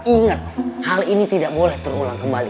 ingat hal ini tidak boleh terulang kembali